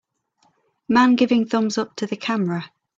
Man giving thumbs up to the camera.